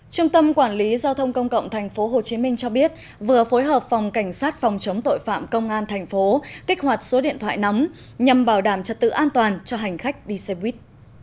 trung tâm quản lý giao thông công cộng tp hcm cho biết vừa phối hợp phòng cảnh sát phòng chống tội phạm công an tp hcm kích hoạt số điện thoại nắm nhằm bảo đảm trật tự an toàn cho hành khách đi xe buýt